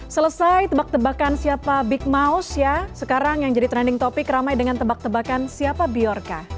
selesai tebak tebakan siapa big mouse ya sekarang yang jadi trending topic ramai dengan tebak tebakan siapa biorca